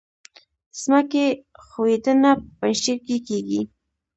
د ځمکې ښویدنه په پنجشیر کې کیږي